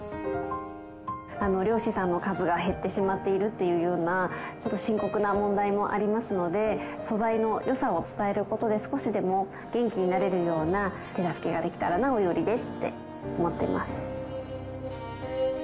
漁師さんの数が減ってしまっているっていうようなちょっと深刻な問題もありますので素材の良さを伝える事で少しでも元気になれるような手助けができたらなお料理でって思っています。